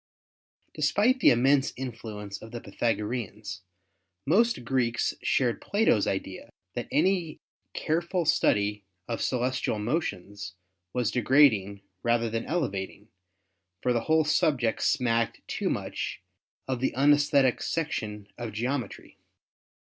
Despite the immense influence of the Pythagoreans, most Greeks shared Plato's idea that any careful study of celestial motions was degrading rather than elevating, for the whole subject smacked too much of the unesthetic section of geometry.